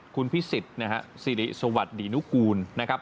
คุณพิศิษฐ์สิริสวัสดีนุกูลนะครับ